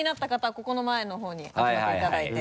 ここの前の方に集まっていただいて。